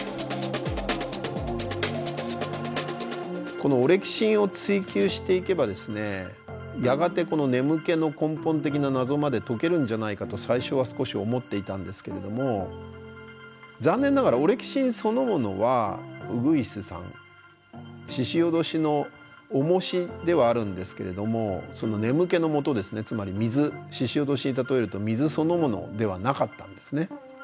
このオレキシンを追究していけばですねやがてこの眠気の根本的な謎まで解けるんじゃないかと最初は少し思っていたんですけれども残念ながらオレキシンそのものはウグイスさんししおどしのおもしではあるんですけれどもその眠気のもとですねつまり水ししおどしに例えると水そのものではなかったんですね。